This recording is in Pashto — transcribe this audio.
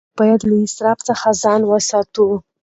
موږ باید له اسراف څخه ځان وساتو.